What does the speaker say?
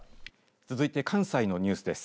続いて関西のニュースです。